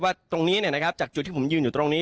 ตรงนี้จากจุดที่ผมยืนอยู่ตรงนี้